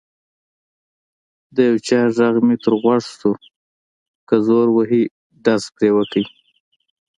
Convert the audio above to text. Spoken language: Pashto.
د یو چا غږ مې تر غوږ شو: که زور وهي ډز پرې وکړئ.